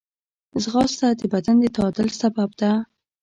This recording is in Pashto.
ځغاسته د بدن د تعادل سبب ده